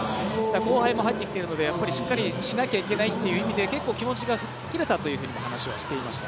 後輩も入ってきているのでしっかりしなければいけないというところで結構、気持ちが吹っ切れたというふうにも話をしていました。